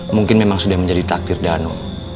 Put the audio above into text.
mungkin memang sudah menjadi takdir dano